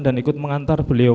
dan ikut mengantar beliau ke pulau